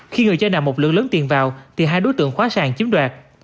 khi người chơi nằm một lượng lớn tiền vào thì hai đối tượng khóa sàn chiếm đoạt